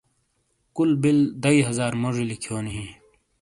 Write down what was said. کُل بِل دئیی ہزار موجی لکھیونی ہِیں۔